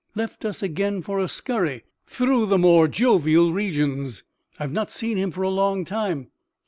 Left us again for a scurry through the more jovial regions? I have not seen him for a long time."